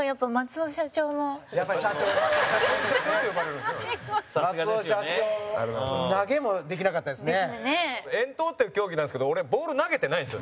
遠投っていう競技なんですけど俺、ボール投げてないんですよ。